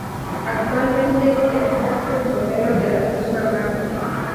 Actualmente, es Rostro y Modelo de la firma Mango.